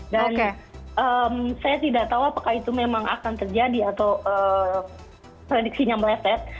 dan saya tidak tahu apakah itu memang akan terjadi atau prediksinya meletet